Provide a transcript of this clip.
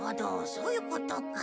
そういうことか。